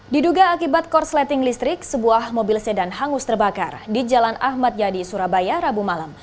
diduga akibat korsleting listrik sebuah mobil sedan hangus terbakar di jalan ahmad yadi surabaya rabu malam